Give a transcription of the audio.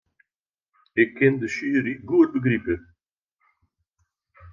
Ik kin de sjuery goed begripe.